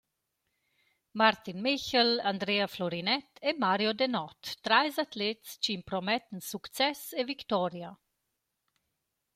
Martin Michel, Andrea Florinett e Mario Denoth: Trais atlets chi impromettan success e victoria.